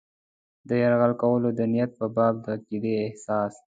د یرغل کولو د نیت په باب د عقیدې اساس.